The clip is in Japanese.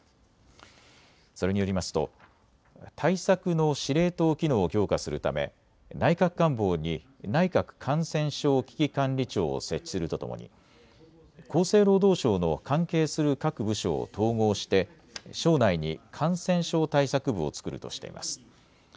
それによりますと対策の司令塔機能を強化するため内閣官房に内閣感染症危機管理庁を設置するとともに厚生労働省の関係する各部署を統合して省内に感染症対策部を作るとしています。